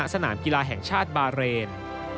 สนามกีฬาแห่งชาติบาเรน